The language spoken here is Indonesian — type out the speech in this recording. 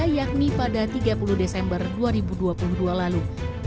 yakni pada tiga puluh desember dua ribu dua puluh dua lalu